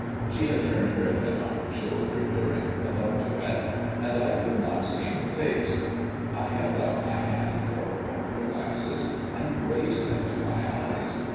She had turned her head on her shoulder during the love duet, and I could not see her face. I held out my hand for her opera glasses, and raised them to my eyes.